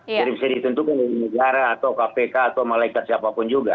jadi bisa ditentukan oleh negara atau kpk atau malaikat siapapun juga